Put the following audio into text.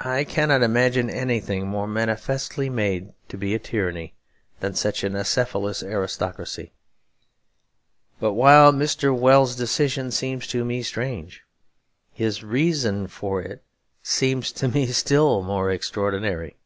I cannot imagine anything more manifestly made to be a tyranny than such an acephalous aristocracy. But while Mr. Wells's decision seems to me strange, his reason for it seems to me still more extraordinary.